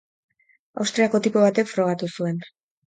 Austriako tipo batek frogatu zuen.